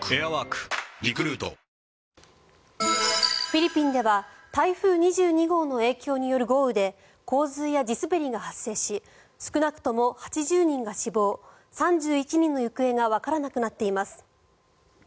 フィリピンでは台風２２号の影響による豪雨で洪水や地滑りが発生し少なくとも８０人が死亡３１人の行方がわからなくなっています。